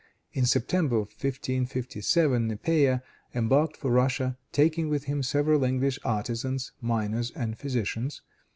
In September, 1557, Nepeia embarked for Russia, taking with him several English artisans, miners and physicians.